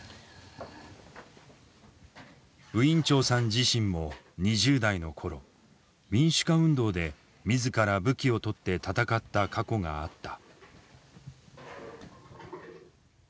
自身も２０代の頃民主化運動で自ら武器を取って戦った過去があった。